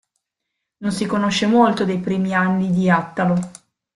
Non si conosce molto dei primi anni di Attalo.